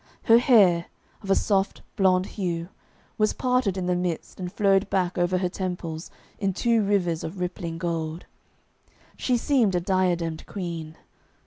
Her hair, of a soft blonde hue, was parted in the midst and flowed back over her temples in two rivers of rippling gold; she seemed a diademed queen.